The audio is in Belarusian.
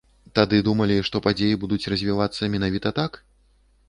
Тады думалі, што падзеі будуць развівацца менавіта так?